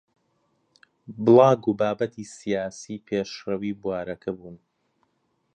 بڵاگ و بابەتی سیاسی پێشڕەوی بوارەکە بوون